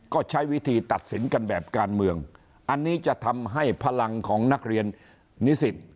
ก็ใช้วิธีตัดสินกันแบบการเมืองอันนี้จะทำให้พลังของนักเรียนนิสิต